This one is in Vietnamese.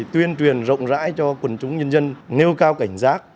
tuyên truyền rộng rãi cho quần chúng nhân dân nêu cao cảnh giác